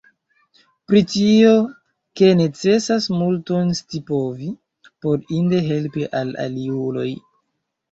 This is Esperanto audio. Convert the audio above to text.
Pri tio, ke necesas multon scipovi, por inde helpi al aliuloj.